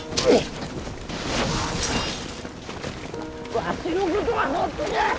わしのことは放っとけ！